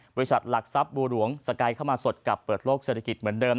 บริษัทหลักทรัพย์บัวหลวงสกายเข้ามาสดกับเปิดโลกเศรษฐกิจเหมือนเดิม